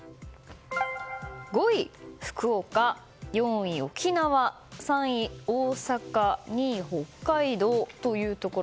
５位、福岡４位、沖縄３位、大阪２位、北海道というところ。